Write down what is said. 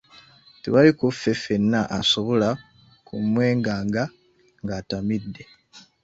Tewali kuffe ffenna asobola kumwenganga ng'atamidde.